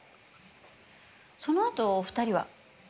そのあとお二人は？